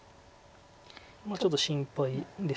ちょっと心配でしたか。